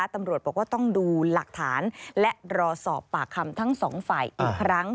ตำรวจบอกว่าต้องดูหลักฐานและรอสอบปากคำทั้งสองฝ่ายอีกครั้ง